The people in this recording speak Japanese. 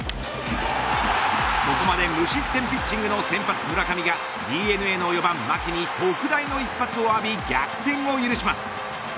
ここまで無失点ピッチングの先発、村上がＤｅＮＡの４番、牧に特大の一発を浴び逆転を許します。